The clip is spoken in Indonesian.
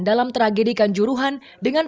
dalam tragedikan juruhan dengan